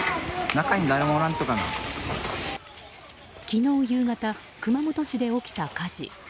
昨日夕方、熊本市で起きた火事。